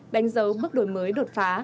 đánh dấu bước đổi mới đột phá